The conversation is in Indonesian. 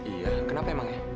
iya kenapa emang ya